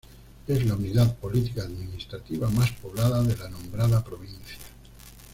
Es la unidad política administrativa más poblada de la nombrada provincia.